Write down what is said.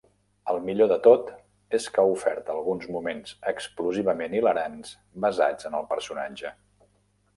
El millor de tot és que ha ofert alguns moments explosivament hilarants basats en el personatge.